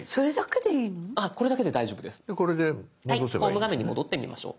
ホーム画面に戻ってみましょう。